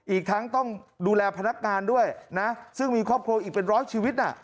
อีกทั้งต้องดูแลพนักงานด้วยนะซึ่งมีครอบครัวอีกเป็นร้อยชีวิตน่ะ